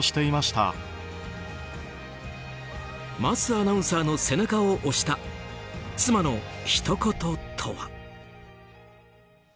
桝アナウンサーの背中を押した妻のひと言とは。